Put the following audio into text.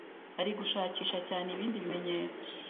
Ari gushakisha cyane ibindi bimenyetso.